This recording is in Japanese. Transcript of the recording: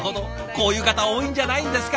こういう方多いんじゃないんですか。